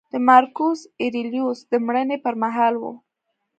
د مارکوس اریلیوس د مړینې پرمهال و